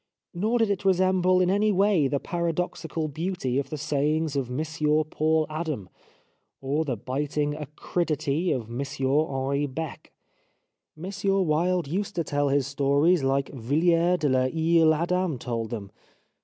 Nor did it resemble in any way the paradoxical beauty of the sayings of M. Paul Adam, or the biting acridity of M. Henri Becque. M. Wilde used to tell his stories hke Vilhers de ITsle Adam told them.